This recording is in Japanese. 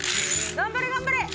頑張れ頑張れ！